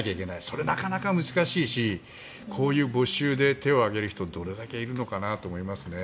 それはなかなか難しいしこういう募集で手を挙げる人がどれだけいるのかなと思いますね。